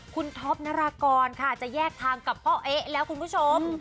คุณท็อปนรากรค่ะจะแยกทางกับพ่อเอ๊ะแล้วคุณผู้ชม